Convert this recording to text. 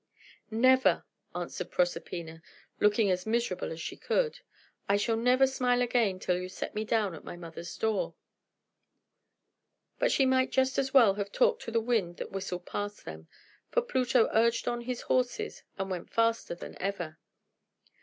"Never!" answered Proserpina, looking as miserable as she could. "I shall never smile again till you set me down at my mother's door." But she might just as well have talked to the wind that whistled past them; for Pluto urged on his horses, and went faster than ever.